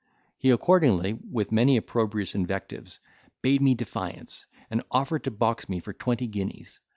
He accordingly, with many opprobrious invectives, bade me defiance, and offered to box me for twenty guineas.